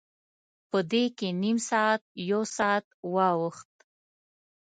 په دې کې نیم ساعت، یو ساعت واوښت.